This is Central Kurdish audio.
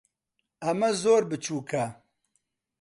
ئەمە زۆر بچووکە.